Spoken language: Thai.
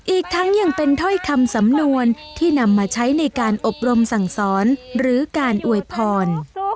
อีกทั้งยังเป็นถ้อยคำสำนวนที่นำมาใช้ในการอบรมสั่งสอนหรือการอวยพร